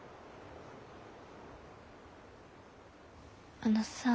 あのさあ。